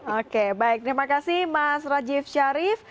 oke baik terima kasih mas rajif syarif